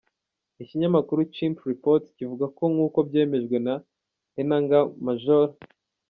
Ikinyamakuru Chimp Reports kivuga ko nk’uko byemejwe na Enanga, Maj.